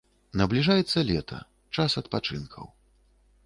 Набліжаецца лета, час адпачынкаў.